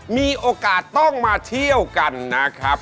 มีโอกาสต้องมาเที่ยวกันนะครับ